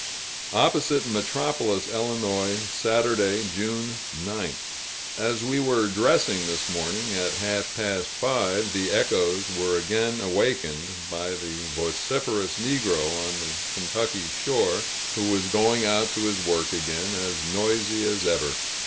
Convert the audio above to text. Opposite Metropolis, Ill., Saturday, June 9th. As we were dressing this morning, at half past five, the echoes were again awakened by the vociferous negro on the Kentucky shore, who was going out to his work again, as noisy as ever.